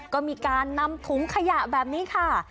ก็มีการนำถุงขยะแบบนี้ค่ะ